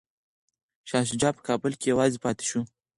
شاه شجاع په کابل کي یوازې پاتې شو.